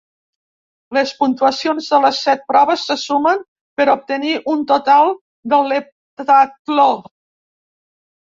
Les puntuacions de les set proves se sumen per obtenir un total de l'heptatló.